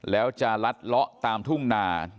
แล้วจะลัดเลาะตามทุ่งนา